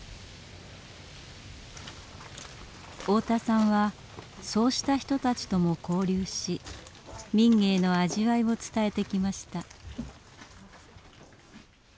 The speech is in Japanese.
太田さんはそうした人たちとも交流し民藝の味わいを伝えてきました。